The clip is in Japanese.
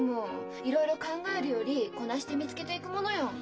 いろいろ考えるよりこなして見つけていくものよ。